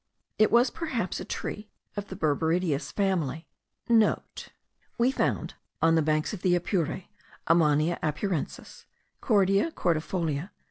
It was perhaps a tree of the berberideous family.* (* We found, on the banks of the Apure, Ammania apurensis, Cordia cordifolia, C.